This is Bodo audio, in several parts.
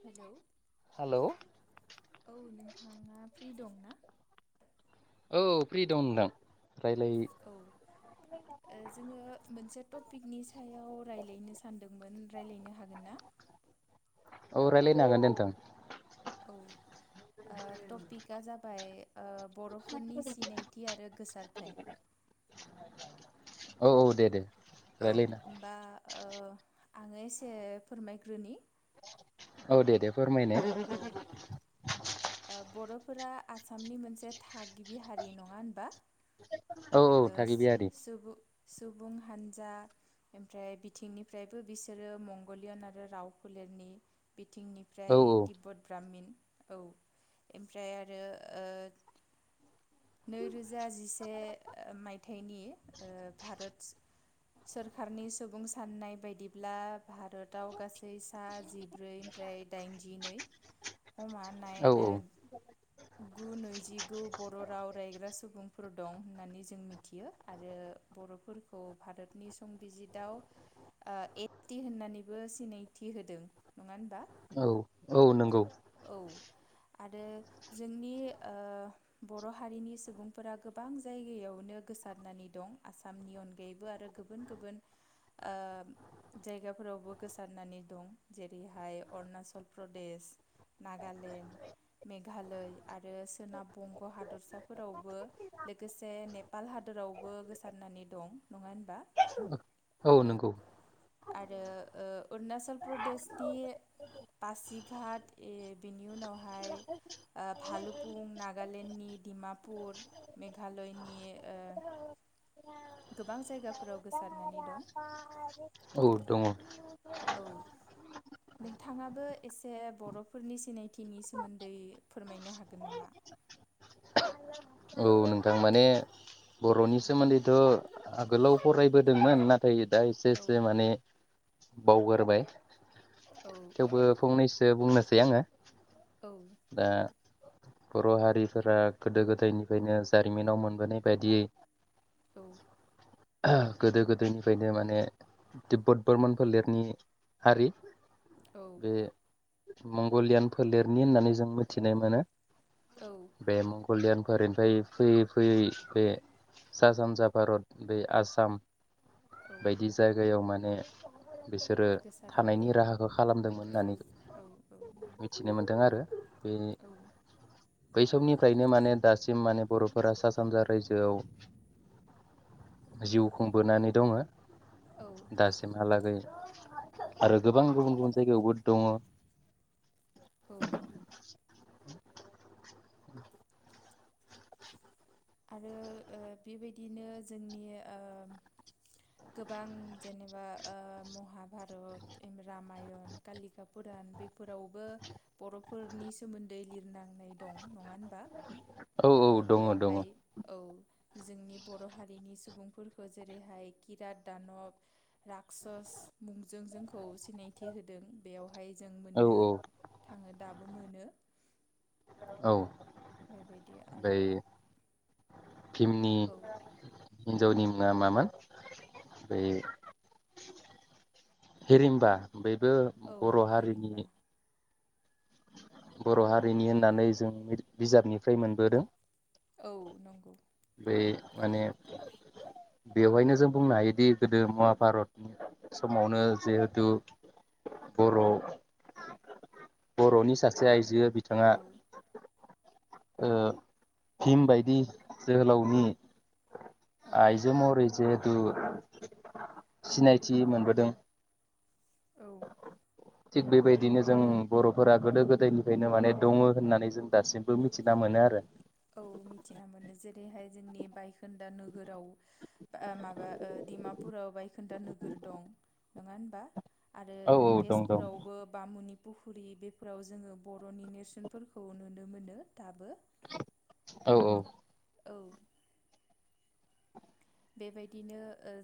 हेलौ हेलौ औ नोंथाङा फ्रि दंना? औ फ्रि दं नोंथां। रायलाय औ जोङो मोनसे टपिकनि सायाव रायलायनो सानदोंमोन रायलायनो हागोन ना? औ रायलायनो हागोन्दे नोंथां। औ। आ टपिक जाबाय ओ बर' फोरनि सिनायथि आरो। गोसारथाय औ औ दे दे। औ रायलायना होमबा। आङो एसे फोरमायग्रोनि। औ दे दे। फोरमायनाय। औ ओ बर'फोरा आसामनि मोनसे थागिबि हारि नङा होनबा? औ ओ औ थागिबियारि। सुबुं सुबुं हानजा ओमफ्राय बिथिंनिफ्रायबो बिसोरो मंगलियन आरो राव, फोलेरनि औ बिथिंनिफ्राय तिब्बत ब्राह्मिन, औ ओमफ्राय आरो नैरोजा जिसे ओ मायथाइनि ओ भारत सोरखारनि सुबुं साननाय बायदिब्ला। भारताव गासै सा जिब्रैनिफ्राय दाइनजिनै हमानाय औ गु नैजिगु बर' राव रायग्रा सुबुंफोर दं होननानै ज जों मिथियो आरो बर'फोरखौ भारतनि संबिजिथआव, ओ ए थि होननानैबो सिनायथि होदों। नङा होमबा? औ औ नंगौ औ आरो जोंनि बर' ओ हारिनि सुबुंफोरा गोबां जायगायाव नो गोसारनानै दं आसामनि अनगायैबो आरो गुबुन गुबुन जायगाफोरावबो गोसारनानै दं, जेरैहाय अरुणाचल प्रदेश नागालेण्ड मेघालय आरो सोनाब बंग' हादरसाफोरावबो लोगोसे ने पाल हादरावबो गोसारनानै दं, नङा होनबा? औ आरो अरुणाचल प्रदेशनि पासिघाट बिनि उनावहाय भालुफुं, नागालेण्डनि, दिडिमापुर, मेघालयनि गोबां जायगाफोराव गोसारनानै दं। औ दङ औ नोंथाङाबो एसे बर'फोरनि सिनायथिनि सोमोन्दै फोरमायनो हागोन नामा? औ नोंथां माने औ बर'नि सोमोन्दैथ' आगोलाव फरायबोदोंमोन ना फैयो दा एसे औ एसे माने बावगारबाय। औ औ थेवबो फंनैस। बुंनोसै आङो। दा। बर' हारिफोरा गोदो गोदायनिफ्रायनो जारिमिनाव मोनबोनाय बायदियै। औ। गोदो गोदायनिफ्रायनो माने तिब्बद बोरमन फोलेरनि हारि। औ। बे मंगलियान फोलेरनि होननानै जों मिथिनाय मोनो। औ बेमग कलयानफोरनिनिफ्राय फैयै फैयै बे सा सानजा भारत बे आसाम औ बायदि जायगायावमोन [unintelligible] बिसोरो गोसारनानै थानायनि दं राहाखौ खालामदोंमोन औ होननानै औ औ नंगौ मिथिनो मोनदों आरो बे औ बै समनिफ्रायनो माने दासिम माने बर' फोरा सा सानजा रायजोआव जिउ खुंबोनानै दङ औ नंगौ दासिमहालागै आरो गोबां गुबुन गुबुन जायगायावबो दङ। औ आरो ओ बेबायदिनो जोंनि ओ गोबां जेनेबा ओ महाभारत रामायण कालिकापुरान बेफोरावबो बर'फोरनि सोमोन्दै लिरनांनाय दं नङा होनबा। औ ओ औ दङ दङ बेयावहाय औ जोंनि बर' हारिनि सुबुंफोरखौ जेरैहाय किरात दानब राक्सस मुंजों जोंखौ सिनायथि होदों। बेयावहाय जों औ मोननो औ थाङो दाबो मोनो औ बेबायदि बै आरो भिमनि औ [unintelligible] मामोन बेै हिरिमबा बयबो औ बर' हिरिमबा हारिनि बर' हारिनि होननानै जों बिजाबनिफ्राय मोनबोदों। औ नंगौ बै माने बेवहायनो जों बुंनो हायोदि गोदो महााभारतनि समावनो जिहेथु बर' बर'नि सासे आइजो बिथाङा औ ओ फिम बायदि जोहोलावनि औ आइजो महरै जिहे सिनायथि मोनबोदों औ थिग बेबायदिनो जों बर'फोरा गोदो-गोदायनिफ्रायनो माने दङ होननानै जों दासिमबो मिथिना मोनो आरो औ मिथिना मोनो जेरैहाय जोंनि बाइक दा नोगोराव ओ माबा ओ डिमापुराव बाय खोन्दा नोगोर दं नङा होनबा आरो औ औ दं दं तेजपुरावबो बामुनि बुहुरि बेफोराव जोङो बर'नि नेरसोनफोरखौ नुनो मोनो दाबो [inaudible] औ औ औ बेबायदिनो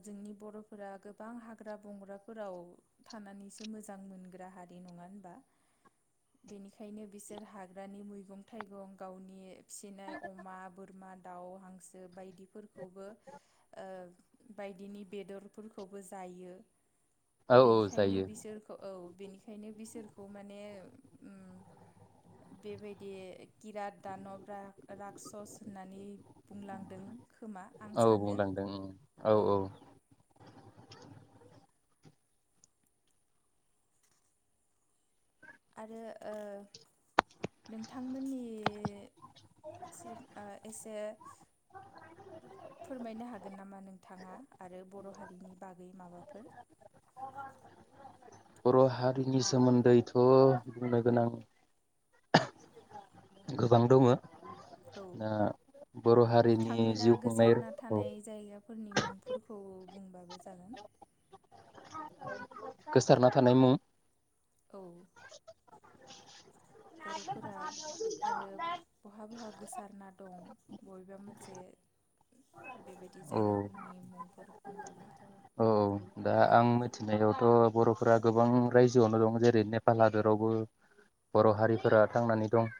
जोंनि बर'फोरा गोबां हाग्रा बंग्राफोराव थानानैसो मोजां मोनग्रा हारि नङा होनबा बेनिखायनो बिसोर हाग्रानि मैगं थाइगं गावनि फिसिनाय अमा बोरमा दाउ हांसो बायदि फोरखौबो बायदिनि बेदरफोरखौबो जायो। औ औ बेनिखायनो जायो बिसोरखो औ। बेनिखायनो बिसोरखौ माने बेबायदि किरात दानब रायखस होननानै बुंलांदों खोमा। आं औ सानो बुंलांदों ओ औ औ। आरो ओ नोंथांमोननि सिम एसे फोरमायनो हागोन नामा? नोंथाङा आरो बर' हारिनि बागै माबाफोर। बर हारिनि सोमोन्दैथ बुंनो गोनां गोबां दङ। औ दा बर हारिनि जिउ खुंनाय रखौ फोरनि मुंफोरखौ बुंबाबो जागोन। गोसारना थानाय मुं औ [inaudible] बर'। फोरा आरो बहा बहा गोसो सारना दं बबेबा मोनसे। बेबायदि औ जायगाफोरनि मुंफोर बुंबाबो जाबाय [inaudible] फैनाययावथ' बर'फोरा गोबां रायजोआवनो दं जेरै नेपाल हादरावबो बर' हारिफोरा थांनानै दं।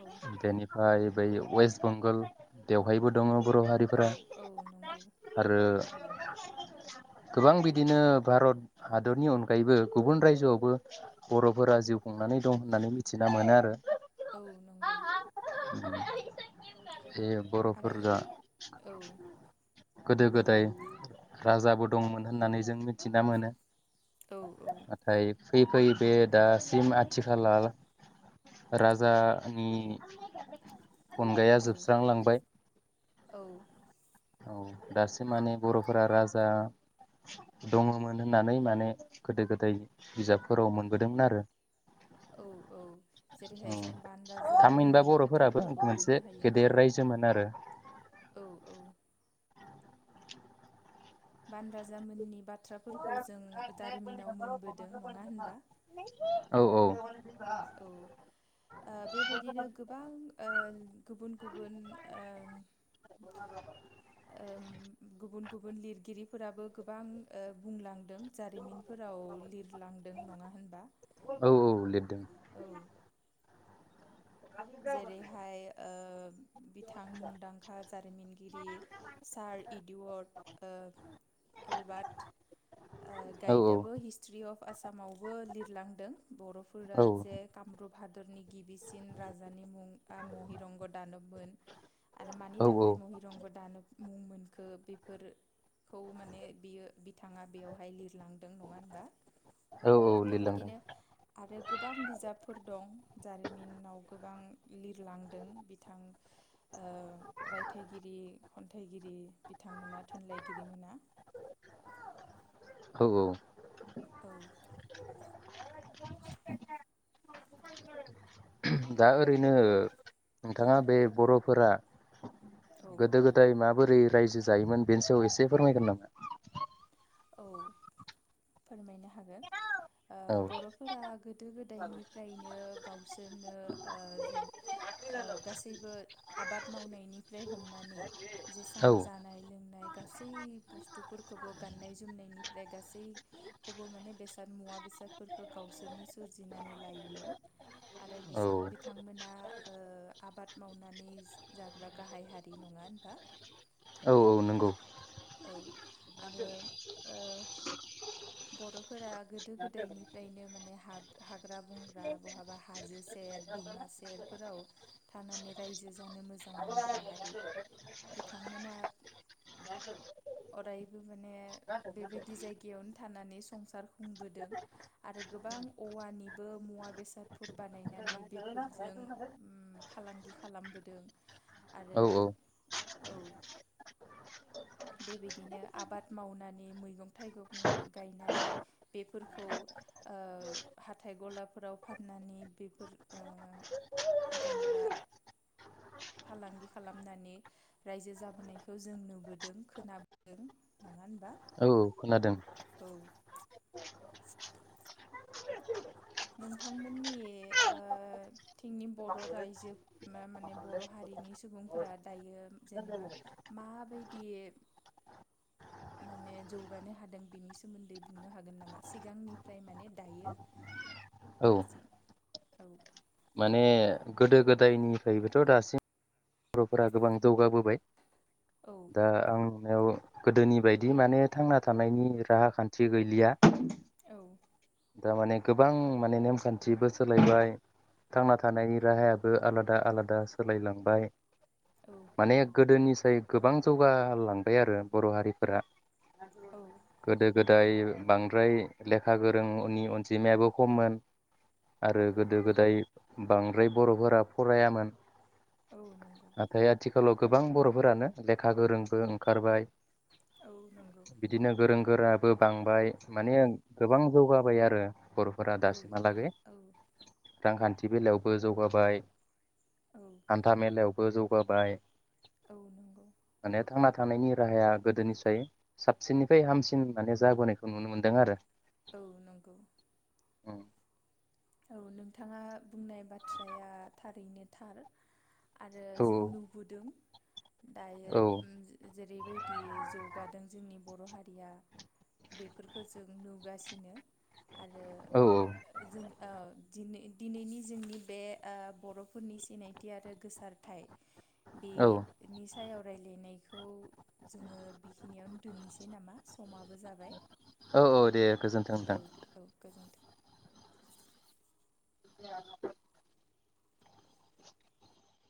औ बेनिफ्राय बै वेस्ट बेंगलावहायबो दङ। बर औ हारिफोरा। औ नंगौ [inaudible] आरो। ओ गोबां बिदिनो भारत हादरनि अनगायैबो गुबुन रायजोआवबो बरफोरा जिउ खुंनानै दं होननानै मिथिना मोनो आरो। औ नंगौ [inaudible] जे आरो बर'फोरजों उ औ [inaudible] गोदो गोदाय राजाबो दंमोन होननानै जों मिथिना मोनो। औ-औ। फैयै-फैयै बे दासिम आथिखलाव राजानि अनग्राया औ जोबस्रांलांबाय। औ औ दासिम माने बर'फोरा राजा दङमोन होननानै माने गोदो-गोदाय बिजाबफोराव मोनबोदोंमोन आरो। औ औ जेरैहाय जों औ बान थामहिनबा राजामोननि बर'फोराबो खोथाफोरखौ मोनसे बुंनो हायो ना गेदेर रायजोमोन आरो औ औ। बान राजामोननि बा बाथ्राफोरखौ जों जारिमिनाव मोनबोदों नङा होनबा? औ औ ओ बेबायदिनो गोबां ओ गुबुन गुबुन ओम ओम गुबुन गुबुन लिरगिरिफोराबो गोबां ओ बुंलां जारिमिनफोराव लिरलांदों। नङा होनबा? औ औ लिरदों औ। जेरैहाय ओ बिथां मुंदांखा जारिमिनगिरि सार इडुवार्ड ओ एलबार्ट ओ औ औ गाइदआबो हिस्ट्रि अफ आसामावबो लिरलांदों। बर'फोरा औ जे कामरुप हादरनि गिबिसिन मोन। आरो मानि औ थाखाय महिरंग दानब मुं मोनखो बेफोरखौ माने बियो बिथाङा बेवहाय लिरलांदों। नङा होनबा? औ औ लिरलांदों बेबायदिनो आरो गोबां बिजाबफोर दं। जारिमिनाव। गोबां लिरलांदों। बिथां रायथाइगिरि, खन्थाइगिरि बिथांमोना थुनलाइगिरिमोना। औ औ। औ। [unintelligible] दा ओरैनो औ नोंथाङा बे बर' फोरा औ गोदो गोदाय मा बोरै रायजो जायोमोन बेनि सायाव एसे फोरमायगोन नामा? औ फोरमायनो हागोन। ओ औ बर'फोरा गोदो गोदायनिफ्रायनो गावस बिनो जेन ओ गासैबो आबाद मावनायनिफ्राय हमनानै जेसां औ जानाय लोंनाय गासै बुस्थुफोरखौबो गान दा गान्नाय जोमनायनिफ्राय गासैखौबो माने बेसाद मुवा बेसादफोरखौ गावसोरनो सोरजिनानै लायोमोन। आरो औ बिसां बिथांमोनहा आबाद मावनानै जाग्रा गाहाय हारि नङा होनबा? औ औ नंगौ औ आरो ओ बर'फोरा गोदो-गोदायनिफ्रायनो माने हाग्रा-बंग्रा बहाबा हाजो सेर, दैमा सेरफोराव थानानै रायजो जानो मोजां मोनग्रा हारि बिथांमोना अरायबो माने बेबायदि जायगायावनो थानानै संसार खुंबोदों। आरो गोबां औवानिबो मुवा बेसादफोर बानायनानै बेफोरजों फालांगि खालामबोदों आरो औ औ औ। बेबायदिनो आबाद मावनानै मैगं थाइगं गायनानै बेफोरखौ ओ हाथाइ गलाफोराव फाननानै बेफोर ओ जेनेबा फालांगि खालामनानै रायजो जाबोनायखौ जों नुबोदों खोनाबोदों नङा होनबा? औ खोनादों। औ [inaudible] नोंथांमोननि ओ थिंनि बर' रायजोब मा माने बर' हारिनि सुबुंफोरा दायो, जेनेबा माबायदि माने जौगानो हादों बिनि सोमोन्दै बुंनो हागोन नामा सिगांनिफ्राय माने दायो? औ दासिम औ। माने गोदो गोदायनिफ्रायबोथ दासिम बरफोरा गोबां जौगाबोबाय। औ। दा आं नुनायाव गोदोनि बायदि माने थांना थानायनि राहा खान्थि गैलिया। औ। दामाने गोबां माने नेमखान्थिबो सोलायबाय थांना थानायनि राहायाबो आलादा आलादा सोलायलांबाय। औ माने गोदोनि जाय गोबां जौगालांबाय आरो बर' हारिफोरा। औ गोदो। गोदाय बांद्राय लेखा गोर रोंनि अनजिमायाबो खममोन आरो गोदो गोदाय बांद्राय बर'फोरा फरायामोन। औ नंगौ नाथाइ आथि खालाव गोबां बर'फोरानो लेखा गोरोंबो ओंखारबाय। औ नंगौ। बिदिनो गोरों गोराबो बांबाय माने ओंक गोबां जौगाबाय आरो। बर'फोरा औ दासिमहालागै। औ रांखान्थि बेलायावबो जौगाबाय। औ हान्था मेलायाव बो जौगाबाय नंगौ माने। थांना थानायनि राहाया गोदोनिसाय, साबसिननिफ्राय हामसिन माने जाबोनायखौ नुनो मोनदों आरो। औ नंगौ। उम। औ नोंथाङा बुंनाय बाथ्राया थारैनो थार। आरो जों नुबोदों। दायो औ उम जे जेरैबायदि जौगादों। जोंनि बर' हारिया बेफोरफोरखौ जों नुगासिनो। आरो औ जों आव दिनैनि जोंनि बे ओ बर'फोरनि सिनायथि आरो गोसारथाय। बे औ निस थाय आरायलायनायखौ। जोङो बेखिनियावनो दोननिसै नामा? समाबो जाबाय, औ औ दे गोजोन्थों नोंथां औ- औ गोजोन्थों। [unintelligible]